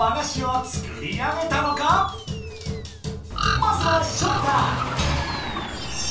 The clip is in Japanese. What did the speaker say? まずはショウタ！